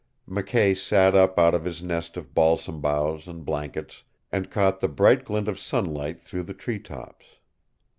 McKay sat up out of his nest of balsam boughs and blankets and caught the bright glint of sunlight through the treetops.